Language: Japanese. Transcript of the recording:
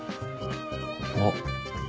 あっ。